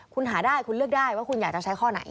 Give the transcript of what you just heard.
คุณหาได้คุณเลือกได้ว่าคุณอยากจะใช้ข้อไหน